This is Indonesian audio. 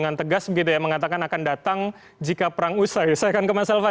ada sedang ada peperangan segala macam